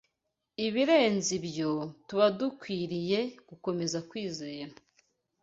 Ibirenze ibyo, tuba dukwiriye gukomeza kwizera